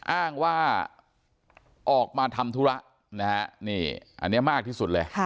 อ้างว่าออกมาทำธุระนะฮะนี่อันนี้มากที่สุดเลย